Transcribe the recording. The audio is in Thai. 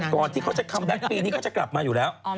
ก่อนที่เขาจะค้ำแบ็คปีนี้ก็จะกลับมาอยู่แล้ว